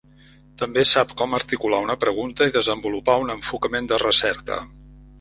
També sap com articular una pregunta i desenvolupar un enfocament de recerca.